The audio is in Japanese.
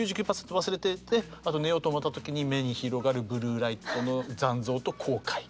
９９％忘れててあと寝ようと思った時に目に広がるブルーライトの残像と後悔。